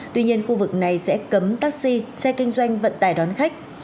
tuy nhiên khu vực này sẽ cấm taxi xe kinh doanh vận tải đón khách